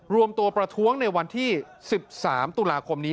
รวมตัวประท้วงในวันที่๑๓ตุลาคมนี้